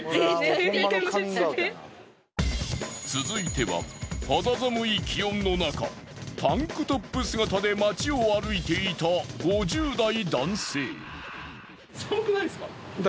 続いては肌寒い気温の中タンクトップ姿で街を歩いていた５０代男性。